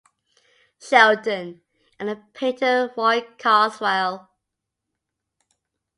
Sheldon, and the painter Roy Carswell.